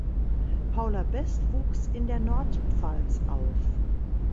Paula Best wuchs in der Nordpfalz auf.